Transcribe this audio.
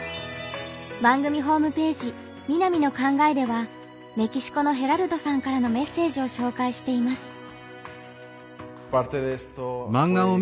番組ホームページ「みなみの考え」ではメキシコのヘラルドさんからのメッセージを紹介しています。